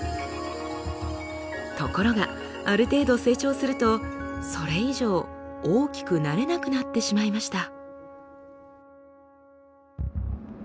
ところがある程度成長するとそれ以上大きくなれなくなってしまいました。